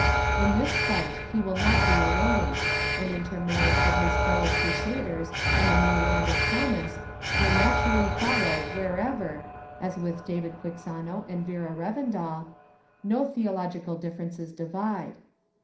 In this fight he will not be alone, and intermarriage with his fellow crusaders in the new Land of Promise will naturally follow wherever, as with David Quixano and Vera Revendal, no theological differences divide.